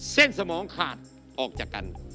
สมองขาดออกจากกัน